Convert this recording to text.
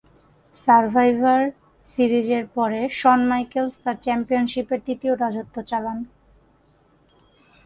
Survivor সিরিজের পরে শন Michael's তার চ্যাম্পিয়নশীপের তৃতীয় রাজত্ব চলায়।